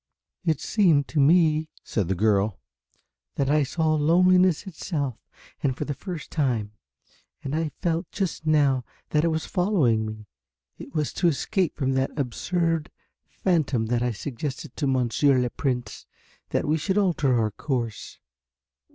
"It seemed to me," said the girl, "that I saw Loneliness itself, and for the first time, and I felt just now that it was following me. It was to escape from that absurd phantom that I suggested to Monsieur le Prince that we should alter our course."